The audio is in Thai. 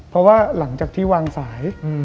เพราะว่าหลังจากที่วางสาย